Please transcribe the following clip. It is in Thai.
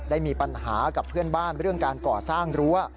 ได้มีปัญหากับเพื่อนบ้านเรื่องการก่อสร้างรั้ว